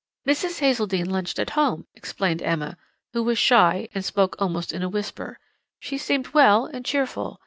"'Mrs. Hazeldene lunched at home,' explained Emma, who was shy, and spoke almost in a whisper; 'she seemed well and cheerful.